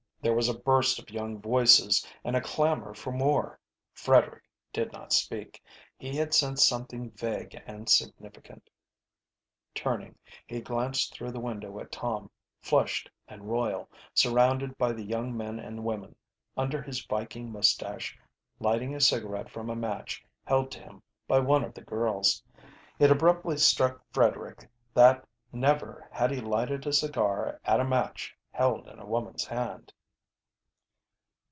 There was a burst of young voices, and a clamour for more. Frederick did not speak. He had sensed something vague and significant. Turning, he glanced through the window at Tom, flushed and royal, surrounded by the young men and women, under his Viking moustache lighting a cigarette from a match held to him by one of the girls. It abruptly struck Frederick that never had he lighted a cigar at a match held in a woman's hand.